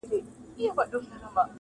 یوه ورځ کفن کښ زوی ته ویل ګرانه؛